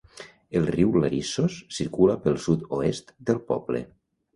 El riu Larissos circula pel sud-oest del poble.